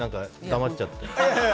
黙っちゃって。